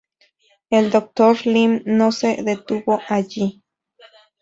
El Dr. Lim no se detuvo allí.